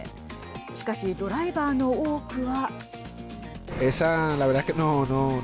しかし、ドライバーの多くは。